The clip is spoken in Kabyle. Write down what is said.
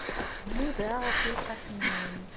Nnuda ɣef ileqqafen-nwen.